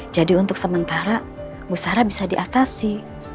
jadi untuk sementara bu sarah bisa diatasi